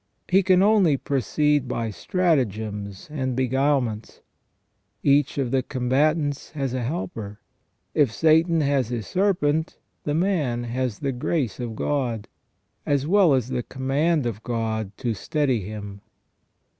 He can only proceed by stratagems and beguilements. Each of the combatants has a helper ; if Satan has his serpent, the man has the grace of God, as well as the command of God to steady him.